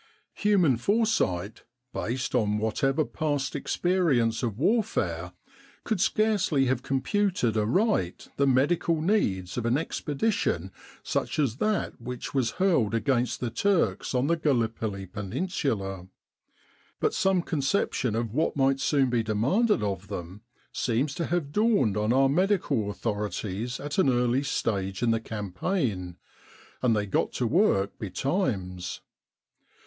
Human foresight, based on whatever past ex perience of warfare, could scarcely have computed aright the medical needs of an expedition such as that which was hurled against the Turks on the Gallipoli 22 Egypt and the Great^War Peninsula. But some conception of what might soon be demanded of them seems to have dawned on our medical authorities at an early stage in the campaign, and they got to work betimes.